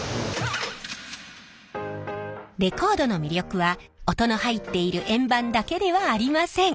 レコードの魅力は音の入っている円盤だけではありません。